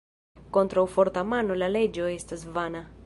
Kontraŭ forta mano la leĝo estas vana.